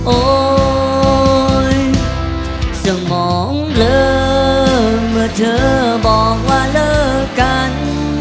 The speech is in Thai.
โอ๊ยสมองเลิกเมื่อเธอบอกว่าเลิกกัน